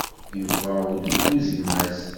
Yufa udebbuz gma-s.